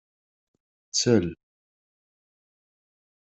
Ttel.